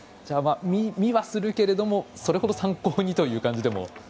見はするけれどもそれほど参考にするという感じでも。